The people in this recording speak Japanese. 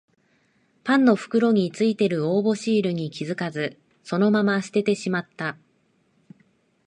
パンの袋についてる応募シールに気づかずそのまま捨ててしまった